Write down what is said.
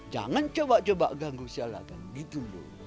jangan coba coba ganggu silahkan gitu loh